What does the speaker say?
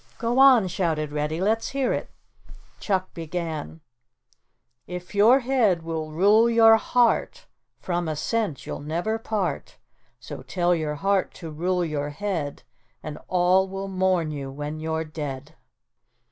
"Go on," shouted Reddy, "let's hear it." Chuck began: "If your head will rule your heart, From a cent you'll never part; So tell your heart to rule your head, And all will mourn you when you're dead."